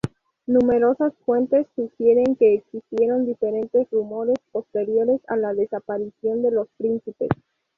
Numerosas fuentes sugieren que existieron diferentes rumores posteriores a la desaparición de los príncipes.